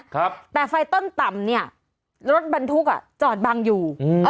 ครับแต่ไฟต้นต่ำเนี้ยรถบรรทุกอ่ะจอดบังอยู่อืม